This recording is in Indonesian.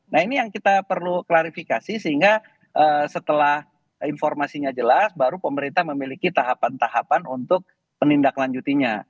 nah ini yang kita perlu klarifikasi sehingga setelah informasinya jelas baru pemerintah memiliki tahapan tahapan untuk penindaklanjutinya